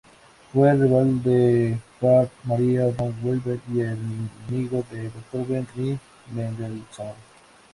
Fue rival de Carl Maria von Weber y amigo de Beethoven y Mendelssohn.